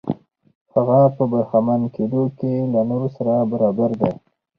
هغه په برخمن کېدو کې له نورو سره برابر دی.